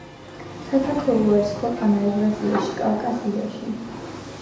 საქართველო არის ქვეყანა ევრაზიაში, კავკასიაში